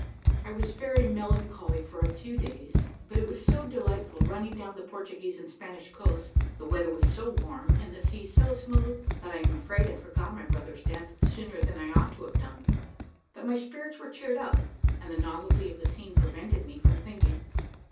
I was very melancholy for a few days; but it was so delightful running down the Portuguese and Spanish coasts, the weather was so warm, and the sea so smooth, that I am afraid I forgot my brother's death sooner than I ought to have done; but my spirits were cheered up, and the novelty of the scene prevented me from thinking.